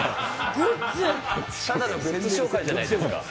ただのグッズ紹介じゃないですか。